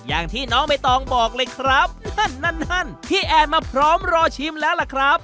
อย่างที่น้องใบตองบอกเลยครับนั่นนั่นพี่แอนมาพร้อมรอชิมแล้วล่ะครับ